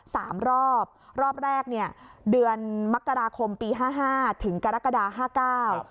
สามรอบรอบแรกเนี่ยเดือนมกราคมปีห้าห้าถึงกรกฎาห้าเก้า